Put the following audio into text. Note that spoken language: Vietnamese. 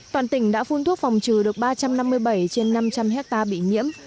toàn tỉnh đã phun thuốc phòng trừ được ba trăm năm mươi bảy trên năm trăm linh hectare bị nhiễm